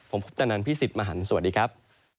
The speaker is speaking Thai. ผมคุปตะนันพี่สิทธิ์มหันฯสวัสดีครับ